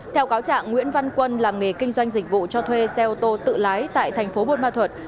theo cáo trạng nguyễn văn quân làm nghề kinh doanh dịch vụ cho thuê xe ô tô tự lái tại thành phố buôn ma thuật